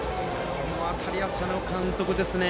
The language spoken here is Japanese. この辺りは佐野監督ですね。